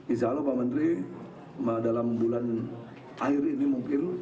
insya allah pak menteri dalam bulan akhir ini mungkin